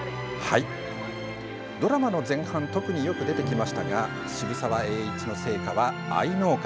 ドラマの前半特によく出てきましたが渋沢栄一の生家は藍農家。